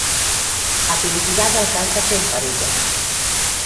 A felicidade alcánzase en parella.